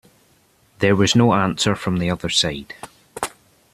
There was no answer from the other side.